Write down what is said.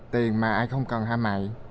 tiền mà ai không cần hả mẹ